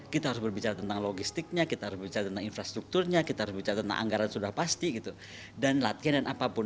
kita harus berbicara tentang logistiknya infrastrukturnya anggaran sudah pasti dan latihan dan apapun